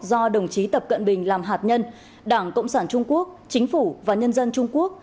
do đồng chí tập cận bình làm hạt nhân đảng cộng sản trung quốc chính phủ và nhân dân trung quốc